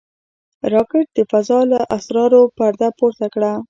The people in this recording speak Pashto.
راکټ د فضا له اسرارو پرده پورته کړه